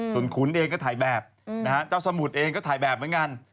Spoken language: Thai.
ส่วนขุนเองก็ถ่ายแบบนะฮะเจ้าสมุทรเองก็ถ่ายแบบเหมือนกัน